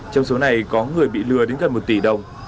trong số này có người bị lừa đến gần một tỷ đồng